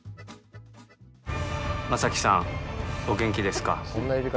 将暉さん、お元気ですか？